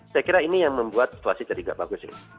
saya kira ini yang membuat situasi jadi tidak bagus ini